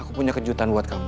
aku punya kejutan buat kamu